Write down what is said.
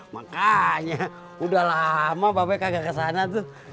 makanya udah lama bapak kagak kesana tuh